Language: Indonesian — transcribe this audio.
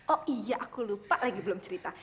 oh iya aku lupa lagi belum cerita